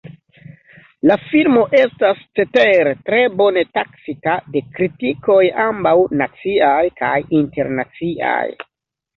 La filmo estas cetere tre bone taksita de kritikoj ambaŭ naciaj kaj internaciaj.